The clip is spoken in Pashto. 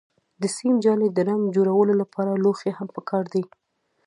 د سیم جالۍ، د رنګ جوړولو لپاره لوښي هم پکار دي.